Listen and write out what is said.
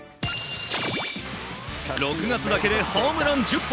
６月だけでホームラン１０本。